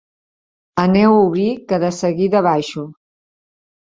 Aneu a obrir que de seguida baixo.